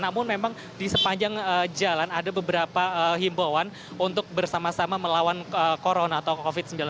namun memang di sepanjang jalan ada beberapa himbauan untuk bersama sama melawan corona atau covid sembilan belas